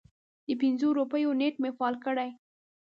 د پنځو روپیو نیټ مې فعال کړی